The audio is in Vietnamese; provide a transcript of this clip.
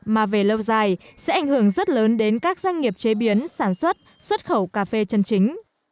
mà về lâu dài sẽ ảnh hưởng rất lớn đến các doanh nghiệp chế biến sản xuất xuất khẩu cà phê chân chính